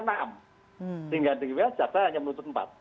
sehingga jika jasa hanya menuntut empat